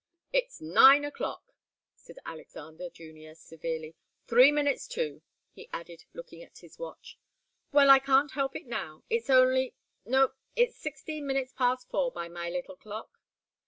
"It's nine o'clock," said Alexander Junior, severely. "Three minutes to," he added, looking at his watch. "Well I can't help it now. It's only no it's sixteen minutes past four by my little clock."